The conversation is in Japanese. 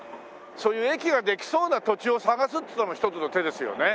そういう駅ができそうな土地を探すっていうのも一つの手ですよね。